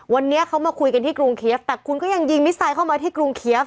วันนี้เขามาคุยกันที่กรุงเคีฟแต่คุณก็ยังยิงมิสไซด์เข้ามาที่กรุงเคีฟ